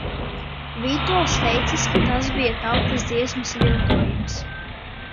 "Vītols teicis, ka "tas bijis tautas dziesmas viltojums"."